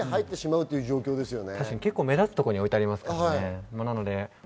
目立つところに置いてありますからね。